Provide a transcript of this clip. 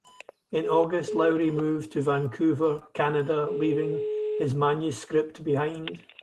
In August Lowry moved to Vancouver, Canada, leaving his manuscript behind.